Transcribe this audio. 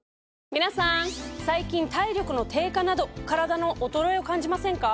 皆さん最近体力の低下などカラダの衰えを感じませんか？